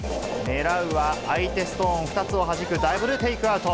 狙うは相手ストーン２つをはじくダブルテイクアウト。